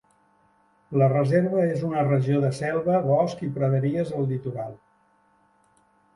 La reserva és una regió de selva, bosc i praderies al litoral.